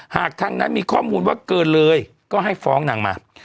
หากทางนั้นมีข้อมูลว่าเกินเลยก็ให้ฟ้องนางมา